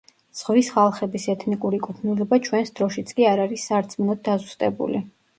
ზღვის ხალხების ეთნიკური კუთვნილება ჩვენს დროშიც კი არ არის სარწმუნოდ დაზუსტებული.